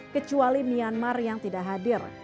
kecuali myanmar yang tidak hadir